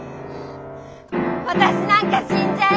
私なんか死んじゃえ！